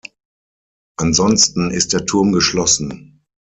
Ansonsten ist der Turm geschlossen.